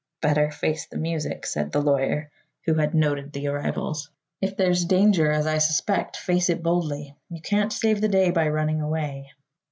"Better face the music," said the lawyer, who had noted the arrivals. "If there's danger, as I suspect, face it boldly. You can't save the day by running away."